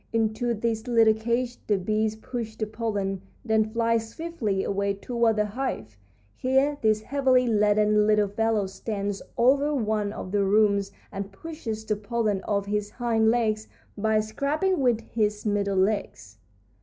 Into this little cage the bees push the pollen, then fly swiftly away toward the hive. Here this heavily laden little fellow stands over one of the rooms and pushes the pollen off his hind legs by scraping with his middle legs.